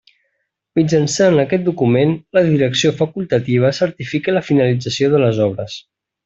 Mitjançant aquest document, la direcció facultativa certifica la finalització de les obres.